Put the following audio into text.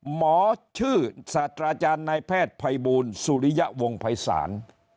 หมอชื่อศาสตราจารย์นายแพทย์ภัยบูลสุริยะวงภัยศาล